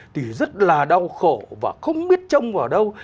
thì rất là đau khổ và không biết trông vào đâu